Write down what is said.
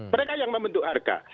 mereka yang membentuk harga